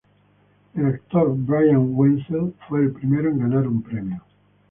El actor Brian Wenzel fue el primero en ganar un premio.